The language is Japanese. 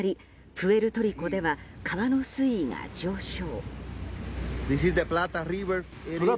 プエルトリコでは川の水位が上昇。